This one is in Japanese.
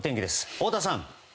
太田さん。